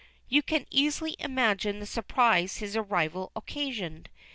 You can easily imagine the surprise his arrival occasioned.